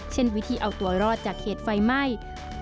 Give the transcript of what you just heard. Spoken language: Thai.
เช่นวิธีเอาตัวรอดจากเขตไฟไหม้